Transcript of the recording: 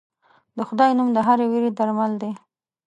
د خدای نوم د هرې وېرې درمل دی.